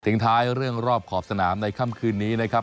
ท้ายเรื่องรอบขอบสนามในค่ำคืนนี้นะครับ